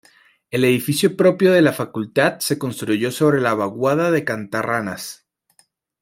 El edificio propio de la Facultad se construyó sobre la vaguada de Cantarranas.